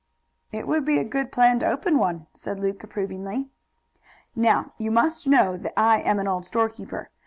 "It would be a good plan to open one," said Luke approvingly. "Now, you must know that I am an old storekeeper.